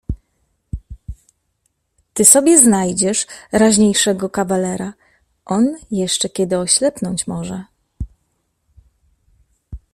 "Ty sobie znajdziesz raźniejszego kawalera... On jeszcze kiedy oślepnąć może."